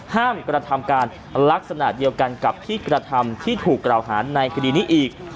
กระทำการลักษณะเดียวกันกับที่กระทำที่ถูกกล่าวหาในคดีนี้อีก